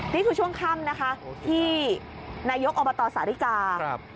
นี่คือช่วงค่ำนะคะที่นายกอบตสาธิกา